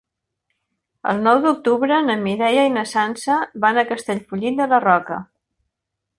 El nou d'octubre na Mireia i na Sança van a Castellfollit de la Roca.